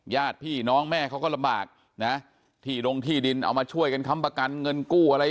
ญาติพี่น้องแม่เขาก็ลำบากนะที่ดงที่ดินเอามาช่วยกันค้ำประกันเงินกู้อะไร